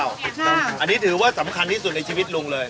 อันนี้ถือว่าสำคัญที่สุดในชีวิตลุงเลย